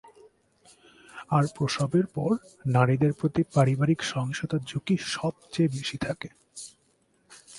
আর প্রসবের পর নারীদের প্রতি পারিবারিক সহিংসতার ঝুঁকি সবচেয়ে বেশি থাকে।